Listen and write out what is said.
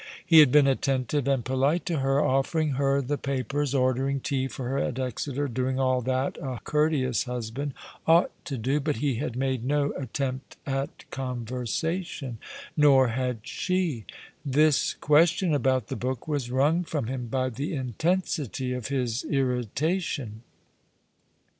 He had been attentive and polite to her, offering her the papers, ordering tea for her at Exeter, doing all that a courteous husband ought to do ; but he had made no attempt at conversation — nor had she. This question about the book was wrung from him by the intensity of his irritation.